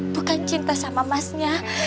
bukan cinta sama masnya